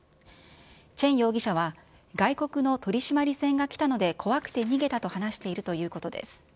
チェン容疑者は外国の取締り船が来たので怖くて逃げたと話しているということです。